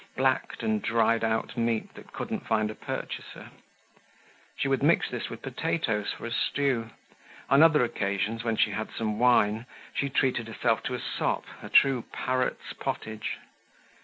Blacked and dried out meat that couldn't find a purchaser. She would mix this with potatoes for a stew. On other occasions, when she had some wine, she treated herself to a sop, a true parrot's pottage.